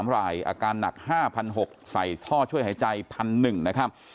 ๓รายอาการหนัก๕๖๐๐ใส่ท่อช่วยหายใจ๑๑๐๐นะครับ